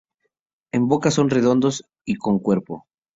En boca son redondos y con cuerpo.